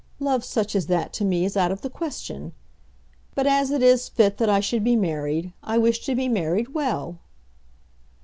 Love such as that to me is out of the question. But, as it is fit that I should be married, I wish to be married well."